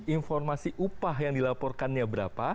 informasi upah yang dilaporkannya berapa